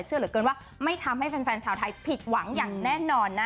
เชื่อเหลือเกินว่าไม่ทำให้แฟนชาวไทยผิดหวังอย่างแน่นอนนะ